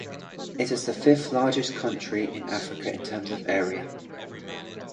It is the fifth largest country in Africa in terms of area.